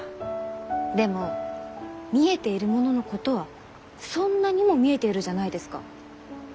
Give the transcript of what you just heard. でも見えているもののことはそんなにも見えているじゃないですか。